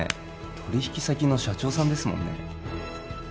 取引先の社長さんですもんね